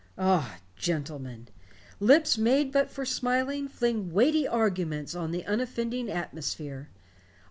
Ah, gentlemen! Lips, made but for smiling, fling weighty arguments on the unoffending atmosphere.